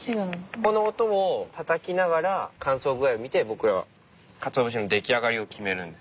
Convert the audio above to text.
この音をたたきながら乾燥具合を見て僕らはかつお節の出来上がりを決めるんです。